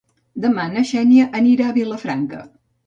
Demà na Xènia anirà a Vilafranca.